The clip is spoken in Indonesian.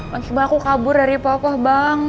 bang iqbal aku kabur dari papa bang